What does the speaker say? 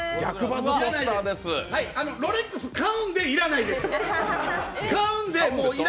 ロレックス買うんで、要らないです！